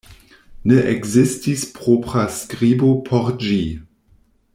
Ne ekzistis propra skribo por ĝi.